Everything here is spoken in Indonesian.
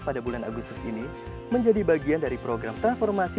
pada bulan agustus ini menjadi bagian dari program transformasi